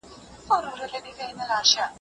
تعصب د ناپوهۍ زېږنده ټولنیزه ناروغي ده